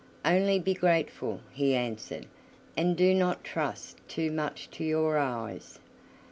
"Only be grateful," he answered, "and do not trust too much to your eyes.